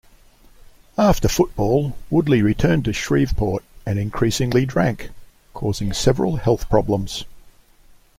After football, Woodley returned to Shreveport and increasingly drank, causing several health problems.